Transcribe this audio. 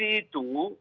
itu yang kita tunggu